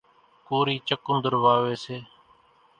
ڪورِي چڪونۮر واويَ سي۔